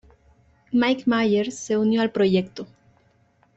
Mike Myers se unió al proyecto;.